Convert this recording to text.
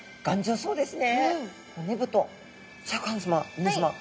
そうですね。